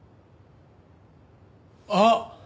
あっ！